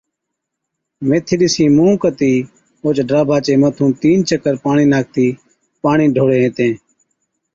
ميٿِي ڏِسِين مُونھ ڪتِي اوهچ ڊاڀا چِي مٿُون تِين چڪر پاڻِي ناکتِي پاڻِي ڍوڙي ھِتين